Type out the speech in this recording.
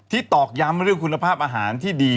ตอกย้ำเรื่องคุณภาพอาหารที่ดี